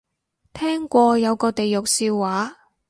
聽過有個地獄笑話